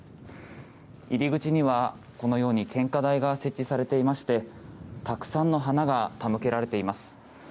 入り口には、このように献花台が設置されていましてたくさんの花が手向けられています。